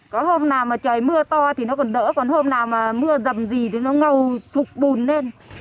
có hôm nào mà trời mưa to thì nó còn đỡ còn hôm nào mà mưa dầm gì thì nó ngâu phục bùn lên